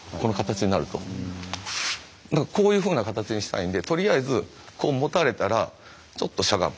だからこういうふうな形にしたいんでとりあえずこう持たれたらちょっとしゃがむ。